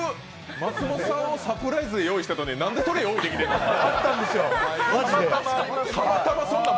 松本さんをサプライズで用意してたのに、なんで出さなかったん。